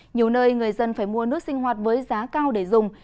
nhiều nơi người dân phải mua nước sinh hoạt với giá cao để dùng